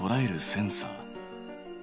センサー。